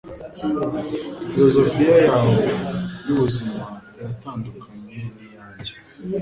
Filozofiya yawe yubuzima iratandukanye niyanjye